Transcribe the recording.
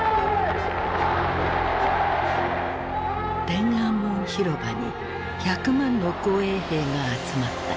天安門広場に１００万の紅衛兵が集まった。